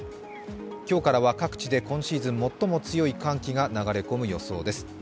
今日からは各地で今シーズン最も強い寒気が流れ込む予想です。